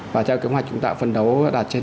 và theo kế hoạch chúng ta phấn đấu đạt trên chín mươi